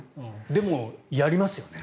でも、やりますよね。